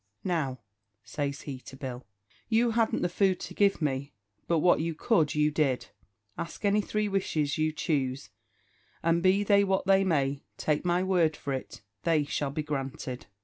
"Now," says he to Bill, "you hadn't the food to give me, but what you could you did. Ask any three wishes you choose, and be they what they may, take my word for it, they shall be granted."